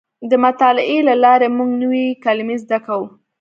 د مطالعې له لارې موږ نوې کلمې زده کوو.